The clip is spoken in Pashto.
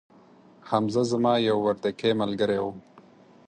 حمزه زما یو وردکې ملګري وو